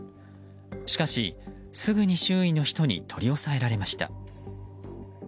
しかし、すぐに周囲の人に取り押さえられました。